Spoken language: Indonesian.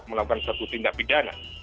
melakukan satu tindak pidana